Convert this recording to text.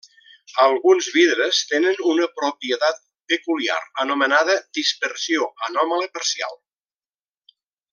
Alguns vidres tenen una propietat peculiar anomenada dispersió anòmala parcial.